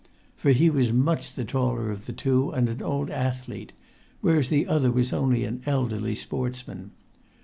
For he was much the taller of the two and an old athlete, whereas the other was only an elderly sportsman.